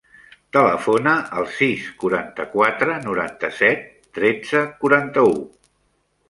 Telefona al sis, quaranta-quatre, noranta-set, tretze, quaranta-u.